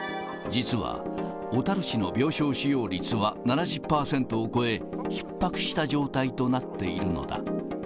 実は小樽市の病床使用率は７０％を超え、ひっ迫した状態となっているのだ。